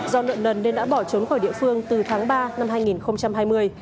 do nợ nần nên đã bỏ trốn khỏi địa phương từ tháng ba năm hai nghìn hai mươi